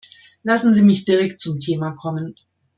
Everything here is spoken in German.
Lassen Sie mich direkt zum Thema kommen.